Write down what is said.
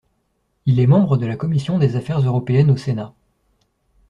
Il est membre de la Commission des affaires européennes au Sénat.